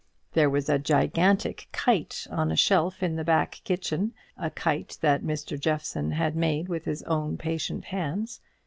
There was a gigantic kite on a shelf in the back kitchen; a kite that Mr. Jeffson had made with his own patient hands.